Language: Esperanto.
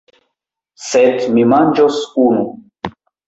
Sed mi manĝos unu!